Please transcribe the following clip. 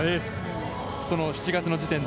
その７月の時点で。